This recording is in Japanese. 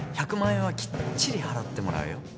１００万円はきっちり払ってもらうよ。